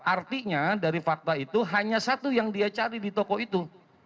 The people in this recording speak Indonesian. artinya dari fakta itu hanya satu yang dia cari di toko itu